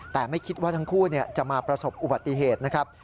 แต่ไม่คิดว่าทั้งคู่จะมาประสบอุบัติเหตุนะครับ